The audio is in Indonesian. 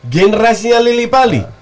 generasinya lili pali